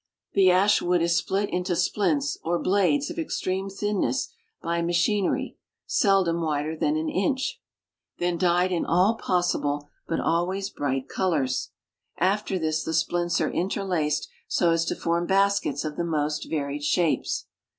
The ash wood is split into splints or blades of extreme thinness by machinery, seldom wider than an inch, then d3'ed in all possible, but always briglit, colors. After this the splints are interlaced so as to form baskets of the most varied shapes.